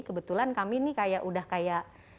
kebetulan kami nih kayak udah kayak